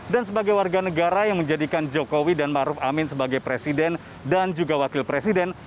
dan sebagai warga negara yang menjadikan jokowi dan ruf amin sebagai presiden dan juga wakil presiden